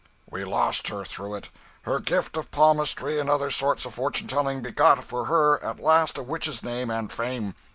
"We lost her through it. Her gift of palmistry and other sorts of fortune telling begot for her at last a witch's name and fame.